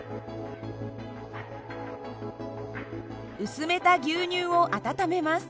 薄めた牛乳を温めます。